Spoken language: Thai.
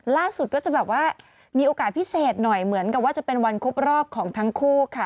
ก็จะแบบว่ามีโอกาสพิเศษหน่อยเหมือนกับว่าจะเป็นวันครบรอบของทั้งคู่ค่ะ